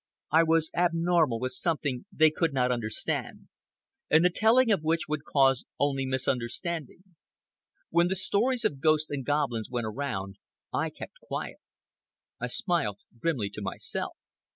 I was abnormal with something they could not understand, and the telling of which would cause only misunderstanding. When the stories of ghosts and goblins went around, I kept quiet. I smiled grimly to myself.